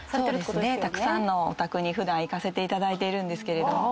たくさんのお宅に普段行かせていただいているんですけれども。